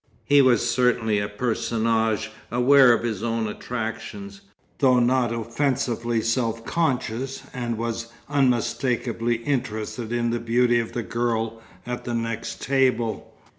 He was certainly a personage aware of his own attractions, though not offensively self conscious, and was unmistakably interested in the beauty of the girl at the next table.